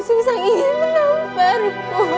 susah ingin menamparku